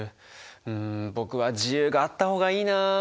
ん僕は自由があった方がいいな。